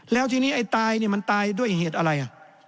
แล้วทีนี้ไอ้ตายเนี่ยมันตายด้วยเหตุอะไร